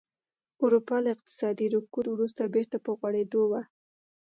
اروپا له اقتصادي رکود وروسته بېرته په غوړېدو وه